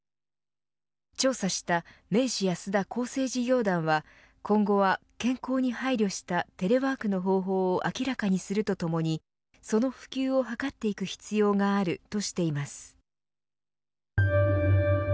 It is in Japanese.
調査した明治安田厚生事業団は今後は健康に配慮したテレワークの方法を明らかにするとともにその普及を図っていく必要があるとしています。